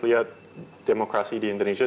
lihat demokrasi di indonesia